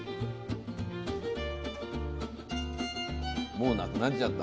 もうなくなっちゃった。